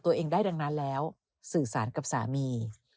ตอนนั้นแล้วสื่อสารกับสามี